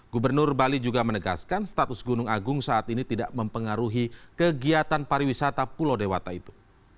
gubernur bali juga menegaskan status gunung agung saat ini tidak mempengaruhi kegiatan pariwisata pulau dewata itu